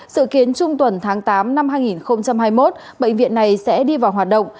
sự kiến trung tuần tháng tám năm hai nghìn hai mươi một bệnh viện này sẽ đi vào hoạt động